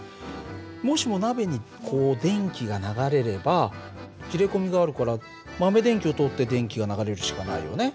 もしも鍋にこう電気が流れれば切れ込みがあるから豆電球を通って電気が流れるしかないよね。